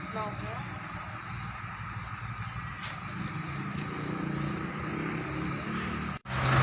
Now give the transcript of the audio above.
ถึงเมืองพ่อสำนักงาน